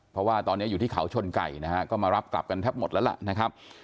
เพราะว่าตอนนี้อยู่ที่เขาชนไก่นะฮะก็มารับกลับกันแทบหมดแล้วล่ะนะครับ